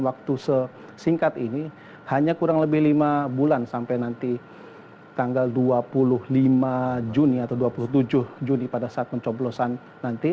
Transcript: waktu sesingkat ini hanya kurang lebih lima bulan sampai nanti tanggal dua puluh lima juni atau dua puluh tujuh juni pada saat pencoblosan nanti